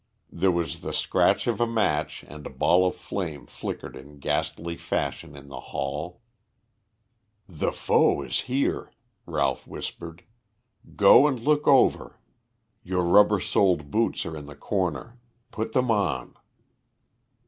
There was the scratch of a match, and a ball of flame flickered in ghastly fashion in the hall. "The foe is here," Ralph whispered. "Go and look over. Your rubber soled boots are in the corner. Put them on."